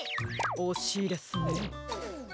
おしいですね。